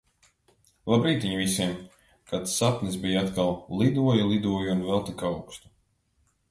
Labrītiņ visiem! Kāds sapnis bija atkal! Lidoju, lidoju un vēl tik augstu.